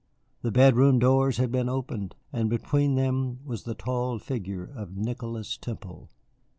The bedroom doors had been opened, and between them was the tall figure of Nicholas Temple.